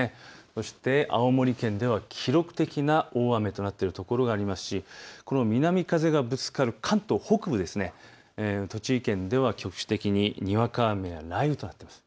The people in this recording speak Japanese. そして青森県では記録的な大雨となっているところがありますし南風がぶつかる関東北部、栃木県では局地的ににわか雨や雷雨となっています。